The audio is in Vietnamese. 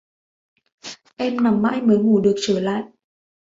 Em nằm mãi mới ngủ được trở lại